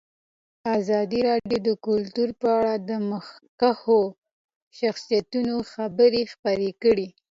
ازادي راډیو د کلتور په اړه د مخکښو شخصیتونو خبرې خپرې کړي.